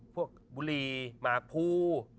พวกบุรีหมาภู